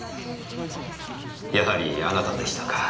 やはりあなたでしたか。